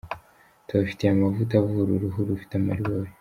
Tubafitiye amavuta avura uruhu rufite amaribori.